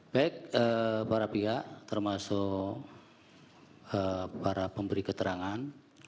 baik para pihak termasuk para pemberi keterangan